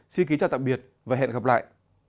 xin kính chào tạm biệt và hẹn gặp lại